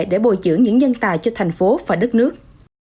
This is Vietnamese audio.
để bồi trưởng những nhân tài cho thành phố và đất nước